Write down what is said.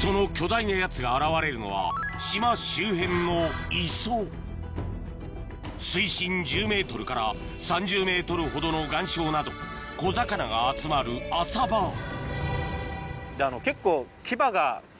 その巨大なやつが現れるのは島周辺の磯水深１０ｍから３０ｍほどの岩礁など小魚が集まる浅場結構。